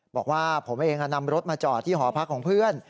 บอกว่าผมเองนำรถมาจอดที่หอพักของเพื่อน